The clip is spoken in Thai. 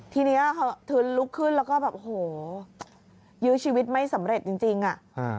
ทีนี้เธอลุกขึ้นแล้วก็แบบโอ้โหยื้อชีวิตไม่สำเร็จจริงอ่ะ